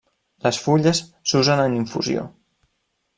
Les fulles s'usen en infusió.